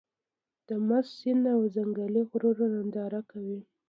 د مست سيند او ځنګلي غرونو ننداره کوې.